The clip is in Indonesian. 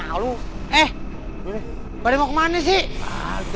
kalau eh boleh mau kemana sih